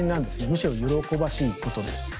むしろ喜ばしいことです。